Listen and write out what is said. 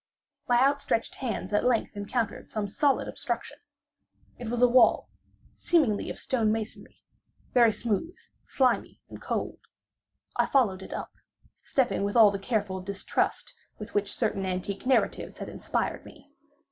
My outstretched hands at length encountered some solid obstruction. It was a wall, seemingly of stone masonry—very smooth, slimy, and cold. I followed it up; stepping with all the careful distrust with which certain antique narratives had inspired me.